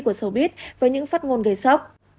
của sầu bít với những phát ngôn gây sóc